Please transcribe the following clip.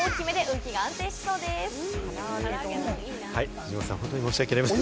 藤本さん、本当に申しわけありません。